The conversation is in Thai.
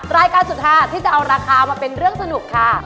รายการสุดท้ายที่จะเอาราคามาเป็นเรื่องสนุกค่ะ